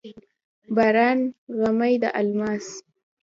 باران غمي د الماس،